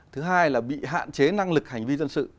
thứ hai là bị hạn chế năng lực hành vi dân sự